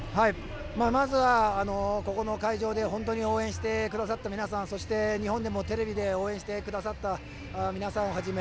まずは、ここの会場で応援してくださった皆さんそして日本でもテレビで応援してくださった皆さんをはじめ